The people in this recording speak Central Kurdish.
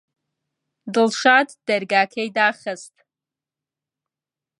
دڵشاد دەرگاکەی داخست.